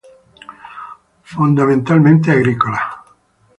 Fundamentalmente agrícola.